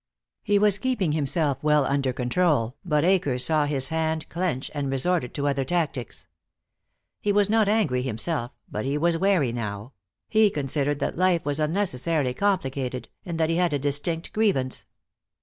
He was keeping himself well under control, but Akers saw his hand clench, and resorted to other tactics. He was not angry himself, but he was wary now; he considered that life was unnecessarily complicated, and that he had a distinct grievance.